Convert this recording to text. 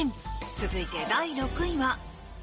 続いて、第６位は。